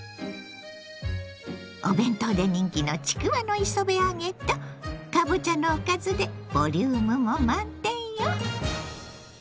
お弁当で人気のちくわの磯辺揚げとかぼちゃのおかずでボリュームも満点よ。